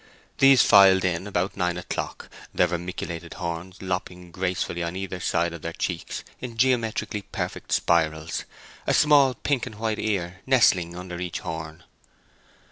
These filed in about nine o'clock, their vermiculated horns lopping gracefully on each side of their cheeks in geometrically perfect spirals, a small pink and white ear nestling under each horn.